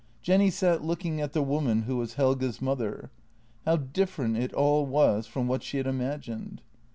Jenny sat looking at the woman who was Helge's mother —• how different it all was from what she had imagined.